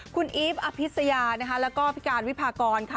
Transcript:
คุณอีฟอภิษยานะคะแล้วก็พี่การวิพากรค่ะ